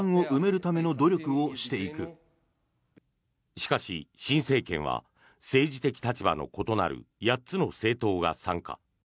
しかし、新政権は政治的立場の異なる８つの政党が参加。